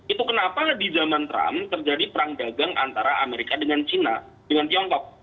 itu kenapa di zaman trump terjadi perang dagang antara amerika dengan china dengan tiongkok